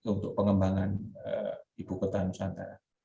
untuk pengembangan ibu kota nusantara